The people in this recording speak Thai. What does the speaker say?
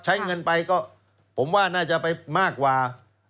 ใช้เงินไปก็ผมว่าน่าจะไปมากกว่า